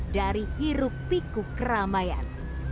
dari hirup piku keramaian